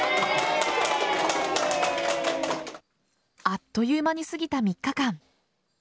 あっという間に過ぎた３日間。